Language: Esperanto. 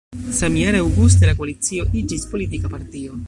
Samjare aŭguste la koalicio iĝis politika partio.